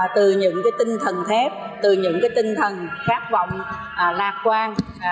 từ những tinh thần thép từ những tinh thần khát vọng lạc quan